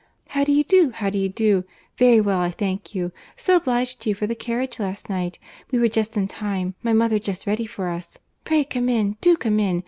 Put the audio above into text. "How d' ye do?—how d'ye do?—Very well, I thank you. So obliged to you for the carriage last night. We were just in time; my mother just ready for us. Pray come in; do come in.